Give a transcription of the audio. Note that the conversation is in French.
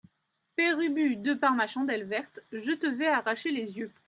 Père Ubu De par ma chandelle verte, je te vais arracher les yeux.